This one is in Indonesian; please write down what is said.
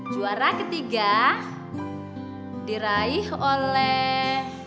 juara ketiga diraih oleh